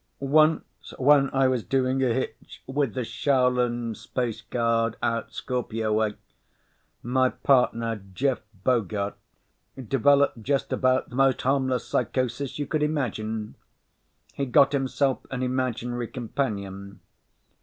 Once when I was doing a hitch with the Shaulan Space Guard out Scorpio way, my partner Jeff Bogart developed just about the most harmless psychosis you could imagine: he got himself an imaginary companion.